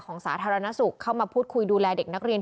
สาธารณสุขเข้ามาพูดคุยดูแลเด็กนักเรียน